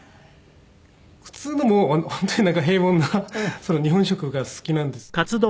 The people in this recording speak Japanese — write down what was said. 普通のもう本当になんか平凡な日本食が好きなんですけど。